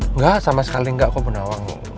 enggak sama sekali enggak kok bunda awang